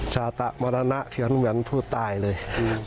ชาตะมรณะเขียนเหมือนผู้ตายเลย